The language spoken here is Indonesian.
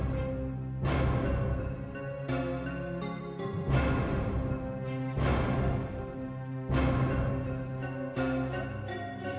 sampai jumpa di video selanjutnya